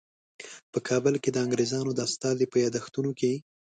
په کابل کې د انګریزانو د استازي په یادښتونو کې.